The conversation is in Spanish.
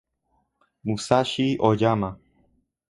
Musashi Oyama